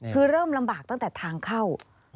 คือเริ่มลำบากตั้งแต่ทางเข้า